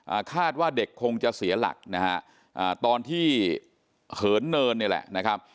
อ่าคาดว่าเด็กคงจะเสียหลักนะฮะอ่าตอนที่เหินเนินนี่แหละนะครับ